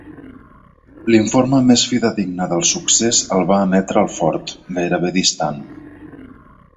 L'informe més fidedigne del succés el va emetre el fort, gairebé distant.